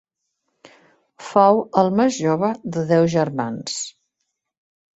Fou el més jove de deu germans.